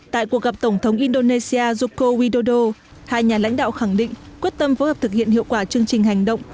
tại cuộc gặp tổng thống indonesia joko widodo hai nhà lãnh đạo khẳng định quyết tâm phối hợp thực hiện hiệu quả chương trình hành động